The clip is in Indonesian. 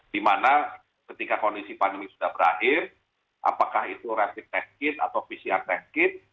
dimana ketika kondisi pandemi sudah berakhir apakah itu rapid test kit atau pcr test kit